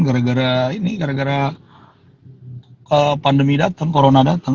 gara gara ini gara gara pandemi dateng corona dateng